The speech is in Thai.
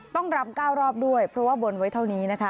รำ๙รอบด้วยเพราะว่าบนไว้เท่านี้นะคะ